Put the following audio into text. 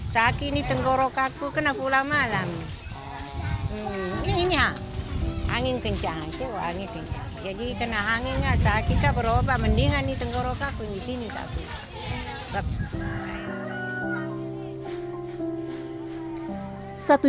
satu jika berubah mendingan di tenggorok aku di sini tapi